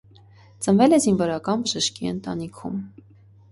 Ծնվել է զինվորական բժշկի ընտանիքում։